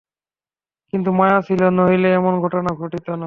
কিন্তু মায়া ছিল, নহিলে এমন ঘটনা ঘটিত না।